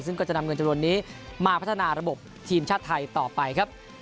ซึ่งก็จะนำเงินจำนวนนี้มาพัฒนาระบบทีมชาติไทยต่อไปครับ